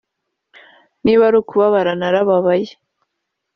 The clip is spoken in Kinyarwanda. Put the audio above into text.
niba ari ukubabara narababaye…